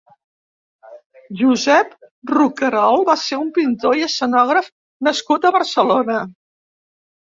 Josep Rocarol va ser un pintor i escenògraf nascut a Barcelona.